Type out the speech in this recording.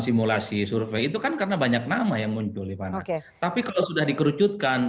simulasi survei itu kan karena banyak nama yang muncul di mana tapi kalau sudah dikerucutkan